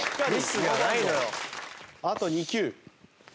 あと２球。